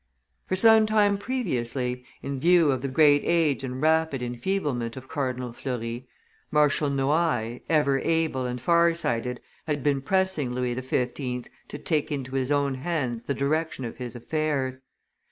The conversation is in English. For some time previously, in view of the great age and rapid enfeeblement of Cardinal Fleury, Marshal Noailles, ever able and far sighted, had been pressing Louis XV. to take into his own hands the direction of his affairs.